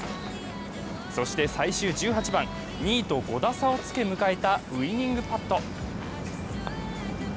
そして最終１８番、２位と５打差をつけ迎えたウイニングパット。